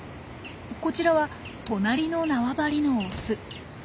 こちらは隣の縄張りのオス。